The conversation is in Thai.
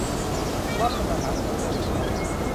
ครับ กำลังหาสปอนเซอร์กันอยู่ด้วย